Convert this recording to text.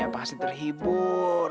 ayah pasti terhibur